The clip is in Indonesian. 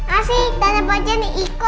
asyik dada opacan ikut